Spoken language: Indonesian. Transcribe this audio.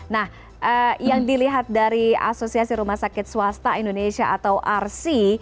nah yang dilihat dari asosiasi rumah sakit swasta indonesia atau arsi